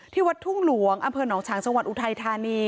ที่วัดทุ่งหลวงอหนองชางจอุทัยธานี